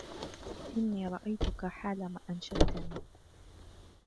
إني رأيتك حالما أنشدتني